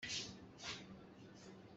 Ralkap an i cer tikah an i rual ngai.